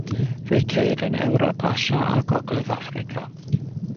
Fe'i ceir yn Ewrop, Asia a Gogledd Affrica.